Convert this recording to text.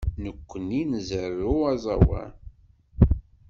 Nekkni nzerrew aẓawan.